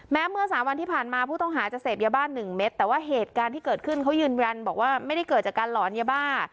เมื่อสามวันที่ผ่านมาผู้ต้องหาจะเสพยาบ้านหนึ่งเม็ดแต่ว่าเหตุการณ์ที่เกิดขึ้นเขายืนยันบอกว่าไม่ได้เกิดจากการหลอนยาบ้า